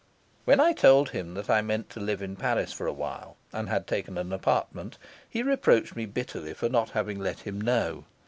When I told him that I meant to live in Paris for a while, and had taken an apartment, he reproached me bitterly for not having let him know.